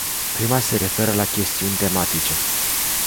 Prima se referă la chestiuni tematice.